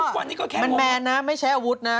แต่ก็มันแมนนะไม่ใช้อาวุธนะ